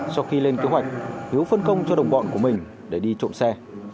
sau khi lên kế hoạch hiếu phân công cho đồng bọn của mình để đi trộm xe